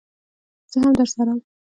زه هم درسره ځم